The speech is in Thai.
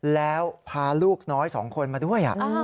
แล้วพาลูกน้อย๒คนมาด้วย